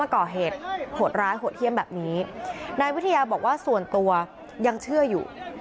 ก่อเหตุโหดร้ายโหดเยี่ยมแบบนี้นายวิทยาบอกว่าส่วนตัวยังเชื่ออยู่